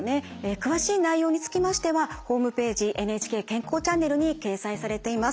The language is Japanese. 詳しい内容につきましてはホームページ「ＮＨＫ健康チャンネル」に掲載されています。